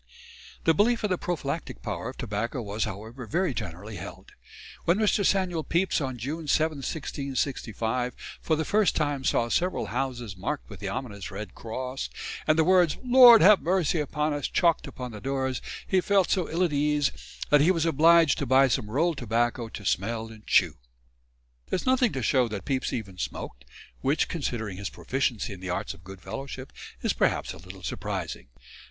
The belief in the prophylactic power of tobacco was, however, very generally held. When Mr. Samuel Pepys on June 7, 1665, for the first time saw several houses marked with the ominous red cross, and the words "Lord, have mercy upon us" chalked upon the doors, he felt so ill at ease that he was obliged to buy some roll tobacco to smell and chew. There is nothing to show that Pepys even smoked, which considering his proficiency in the arts of good fellowship, is perhaps a little surprising.